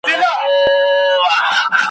زه پانوس غوندي بلېږم دا تیارې رڼا کومه ,